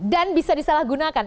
dan bisa disalahgunakan